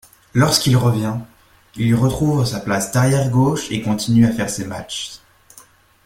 Lorsqu’il revient, il retrouve sa place d’arrière gauche et continue à faire ses matches.